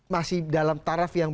masih dalam taraf yang